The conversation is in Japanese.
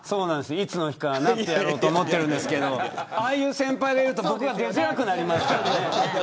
いつの日かなってやろうと思ってるんですがああいう先輩がいると僕が出づらくなりますよね。